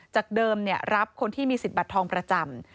จากเดิมรับคนที่มีสิทธิ์บัตรทองประจำ